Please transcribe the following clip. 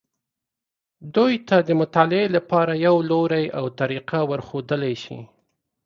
دوی ته د مطالعې لپاره یو لوری او طریقه ورښودلی شي.